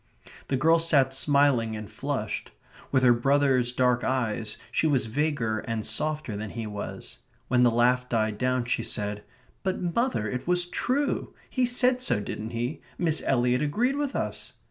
The girl sat smiling and flushed. With her brother's dark eyes, she was vaguer and softer than he was. When the laugh died down she said: "But, mother, it was true. He said so, didn't he? Miss Eliot agreed with us...."